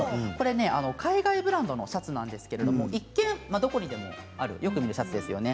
海外ブランドのシャツなんですが一見、よく見るシャツですよね。